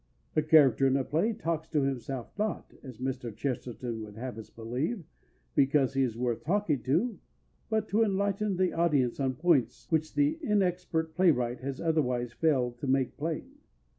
A character in a play talks to himself not, as Mr. Chesterton would have us believe, because he is worth talking to, but to enlighten the audience on points which the inexpert playwright has otherwise failed to make plain.